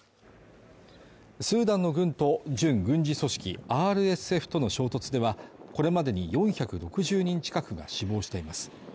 スーダンの軍と準軍事組織ＲＳＦとの衝突では、これまでに４６０人近くが死亡しています。